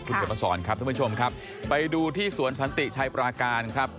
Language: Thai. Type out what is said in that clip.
คุณเขียนมาสอนครับทุกผู้ชมครับไปดูที่สวนสันติชัยปราการครับ